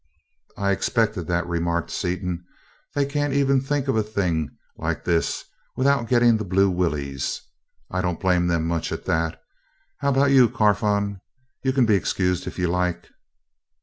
"I expected that," remarked Seaton. "They can't even think of a thing like this without getting the blue willies I don't blame them much, at that. How about you, Carfon? You can be excused if you like."